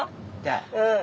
うん。